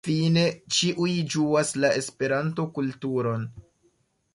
Fine ĉiuj ĝuas la Esperanto-kulturon.